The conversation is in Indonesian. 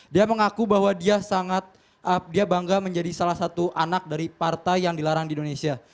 dia mengaku bahwa dia sangat dia bangga menjadi salah satu anak dari partai yang dilarang di indonesia